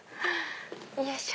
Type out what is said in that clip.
よいしょ。